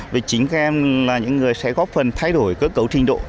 vì chính các em là những người sẽ góp phần thay đổi cơ cấu trình độ